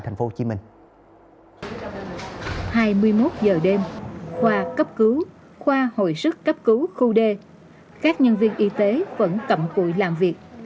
tp hcm hai mươi một h đêm khoa cấp cứu khoa hội sức cấp cứu khu d các nhân viên y tế vẫn cậm cụi làm việc